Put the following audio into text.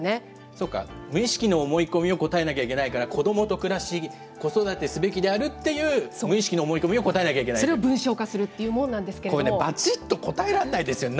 そうか、無意識の思い込みを答えなきゃいけないから、子どもと暮らし、子育てすべきであるという無意識の思い込みを答えなきそれを文章化するというものこれ、ばちっと答えられないですよね。